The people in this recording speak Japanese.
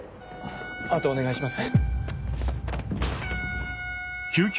あとはお願いします。